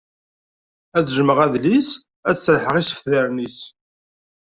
Ad jmeɣ adlis ad sraḥeɣ isebtaren-is.